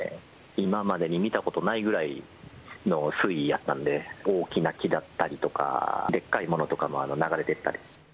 今までに見たことがないぐらいの水位だったんで、大きな木だったりとか、でっかいものとかも流れてきたり。